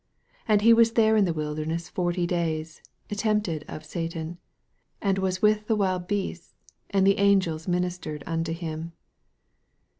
13 And he was there in the wilder ness forty days, tempted of Satan: and was with the wild beasts; and the angels ministered unto him.